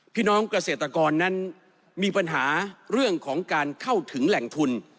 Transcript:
พี่น้องเกษตรกรนั้นมีปัญหาเรื่องของการเข้าถึงแหล่งทุน